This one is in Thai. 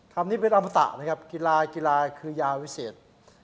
คำนี้เป็นอมตะนะครับกีฬากีฬาคือยาวิเศษ